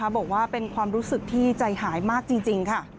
บอกว่าเป็นความรู้สึกที่ใจหายมากจริงค่ะ